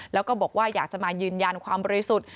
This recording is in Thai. แล้วก็บอกว่าอยากจะมายืนยันความบริสุทธิ์